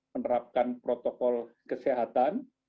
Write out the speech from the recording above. menerapkan protokol kesehatan